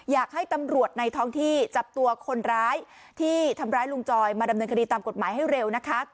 อยากให้ตำรวจในท้องที่จับตัวคนร้ายที่ทำร้ายลุงจอยมาดำเนินคดีตามกฎหมายให้เร็วนะคะ